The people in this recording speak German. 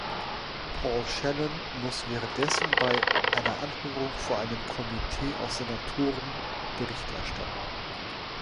Paul Shannon muss währenddessen bei einer Anhörung vor einem Komitee aus Senatoren Bericht erstatten.